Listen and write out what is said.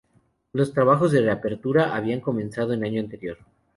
Los trabajos de reapertura habían comenzado en año anterior.